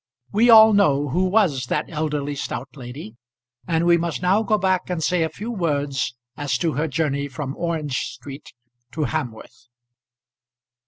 We all know who was that elderly stout lady, and we must now go back and say a few words as to her journey from Orange Street to Hamworth.